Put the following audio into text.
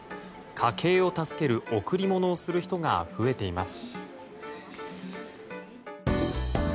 家計を助ける贈り物をする人が増えています。